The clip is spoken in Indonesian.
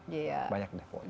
banyak deh poin